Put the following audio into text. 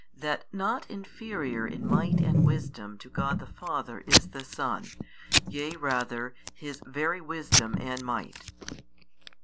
That not inferior in Might and Wisdom to God the Father is the Son, yea rather His very Wisdom and Might.